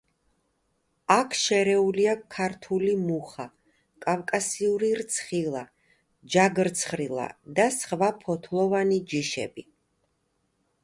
აქ შერეულია ქართული მუხა, კავკასიური რცხილა, ჯაგრცხილა და სხვა ფოთლოვანი ჯიშები.